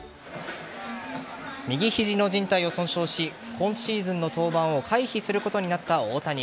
右肘の靭帯を損傷し今シーズンの登板を回避することになった大谷。